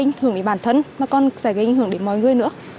nó sẽ gây ảnh hưởng đến bản thân mà còn sẽ gây ảnh hưởng đến mọi người nữa